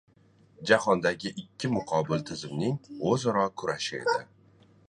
Jahondagi ikki muqobil tuzumning o‘zaro kurashi edi.